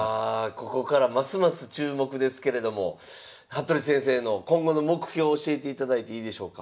ここからますます注目ですけれども服部先生の今後の目標を教えていただいていいでしょうか。